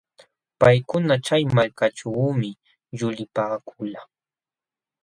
Paykuna chay malkaćhuumi yulipaakulqaa.